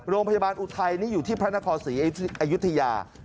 โรงพยาบาลอุทัยนี่อยู่ที่พระนครศรีอยุธยา